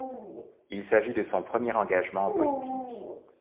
Il s’agit de son premier engagement en politique.